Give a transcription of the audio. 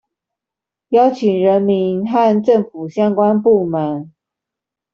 邀請人民和政府相關部門